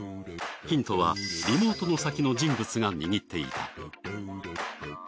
ヒントはリモートの先の人物が握っていた。